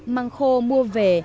măng khô mua về